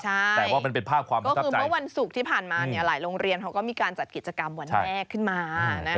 ใช่คือเพราะวันสุกที่ผ่านมาหลายโรงเรียนเขาก็มีการจัดกิจกรรมวันแรกขึ้นมานะฮะ